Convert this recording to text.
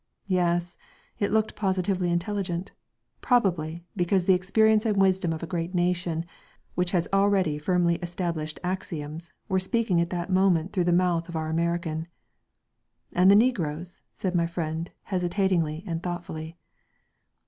"Yes, it looked positively intelligent.... Probably, because the experience and wisdom of a great nation, which has already firmly established axioms, were speaking at that moment through the mouth of our American...." "And the negroes?" said my friend hesitatingly and thoughtfully.